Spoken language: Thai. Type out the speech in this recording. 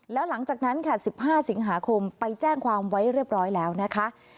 แล้วหลังจากนั้นค่ะ๑๕สิงหาคมไปแจ้งความไว้เรียบร้อยแล้วนะคะ